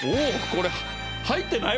これ入ってない？